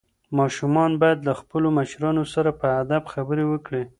ماشومان باید له خپلو مشرانو سره په ادب خبرې وکړي.